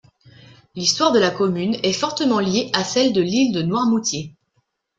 L'histoire de la commune est fortement liée à celle de l'île de Noirmoutier.